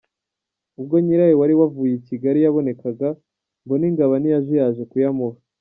Ubwo nyirayo wari wavuye i Kigali yabonekaga, Mbonigaba ntiyajuyaje kuyamuha.